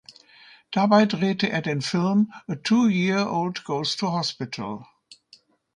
Dabei drehte er den Film "A two-year-old goes to hospital".